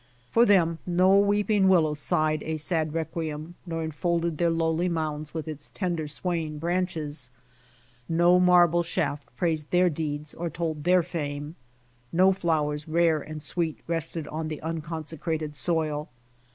For them no weeping willow sighed a sad requiem nor enfolded their lowly mounds with its tender, swaying branches. No marble shaft praised their deeds or told their fame. No flowers rare and sweet rested on the unconsecrated soil.